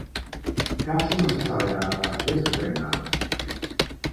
Casi no se sabe nada de su reinado.